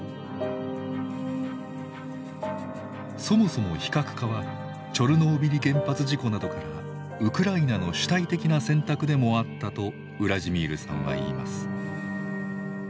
そもそも非核化はチョルノービリ原発事故などからウクライナの主体的な選択でもあったとウラジミールさんは言います。